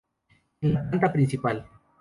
En la planta principal.